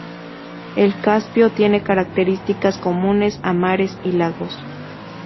El Caspio tiene características comunes a mares y lagos.